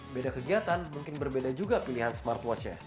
beda kegiatan mungkin berbeda juga pilihan smartwatchnya